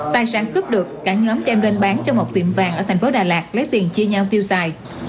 tài sản cướp được cả nhóm đem bán cho một tiệm vàng ở thành phố đà lạt lấy tiền chia nhau tiêu xài